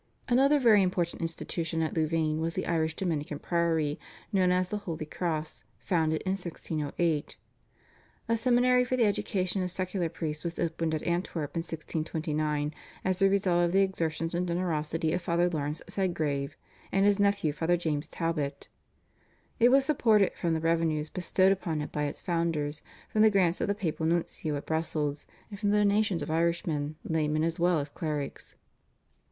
Another very important institution at Louvain was the Irish Dominican Priory known as the Holy Cross founded in 1608. A seminary for the education of secular priests was opened at Antwerp in 1629 as a result of the exertions and generosity of Father Laurence Sedgrave and his nephew Father James Talbot. It was supported from the revenues bestowed upon it by its founders, from the grants of the papal nuncio at Brussels, and from the donations of Irishmen, laymen as well as clerics.